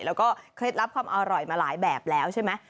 แล้วก็เคล็ดลับความอร่อยมาหลายแบบแล้วใช่ไหม